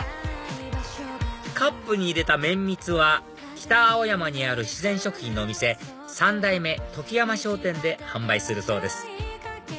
カップに入れためんみつは北青山にある自然食品のお店三代目ときやま商店で販売するそうです